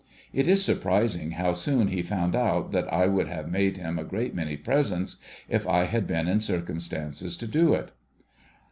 It is surprising how soon he found out that I would have made him a great many presents if I had been in circum stances to do it.